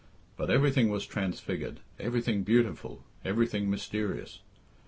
But everything was transfigured, everything beautiful, everything mysterious.